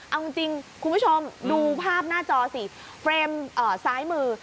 เอาจริงคุณผู้ชมดูภาพหน้าจอสิเฟรมซ้ายมือ